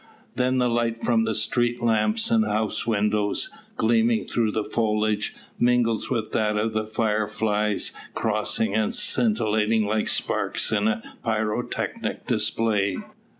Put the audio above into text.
Then the light from street lamps and house windows, gleaming through the foliage, mingles with that of the fire flies crossing and scintillating like sparks in a pyrotechnic display.